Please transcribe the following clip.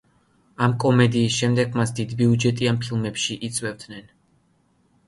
ამ კომედიის შემდეგ მას დიდბიუჯეტიან ფილმებში იწვევდნენ.